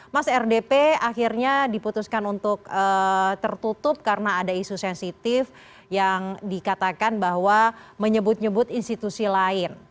mas rdp akhirnya diputuskan untuk tertutup karena ada isu sensitif yang dikatakan bahwa menyebut nyebut institusi lain